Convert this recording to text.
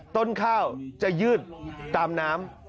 ต้นข้าวจะยืดตามน้ำ